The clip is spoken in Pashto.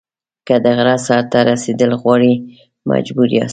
که د غره سر ته رسېدل غواړئ مجبور یاست.